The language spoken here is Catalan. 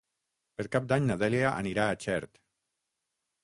Per Cap d'Any na Dèlia anirà a Xert.